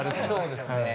そうですね。